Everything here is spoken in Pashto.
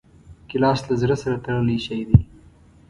ګیلاس له زړه سره تړلی شی دی.